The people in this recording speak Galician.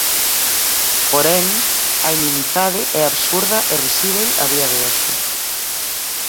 Porén, a inimizade é absurda e risíbel a día de hoxe.